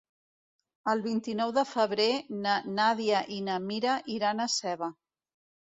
El vint-i-nou de febrer na Nàdia i na Mira iran a Seva.